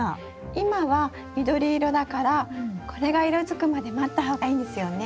今は緑色だからこれが色づくまで待った方がいいんですよね？